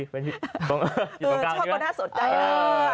ชอบกับน่าสนใจเลย